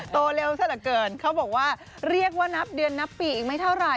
โตเร็วซะเหลือเกินเขาบอกว่าเรียกว่านับเดือนนับปีอีกไม่เท่าไหร่